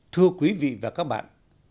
thưa quý vị và các bạn